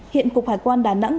hiện cục hải quan đà nẵng